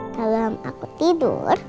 kalau aku tidur